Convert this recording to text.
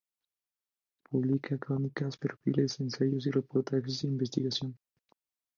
Publica crónicas, perfiles, ensayos y reportajes de investigación.